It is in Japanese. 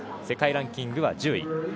世界ランキングは１０位。